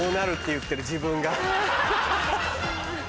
言ってる自分が。